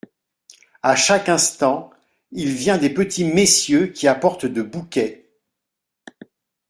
À chaque instant, il vient des petits messieurs qui apportent de bouquets !…